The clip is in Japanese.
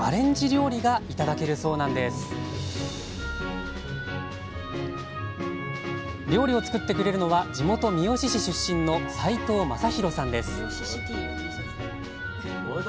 料理を作ってくれるのは地元三好市出身の齋藤誠泰さんです